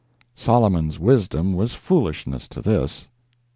Solomon's wisdom was foolishness to this.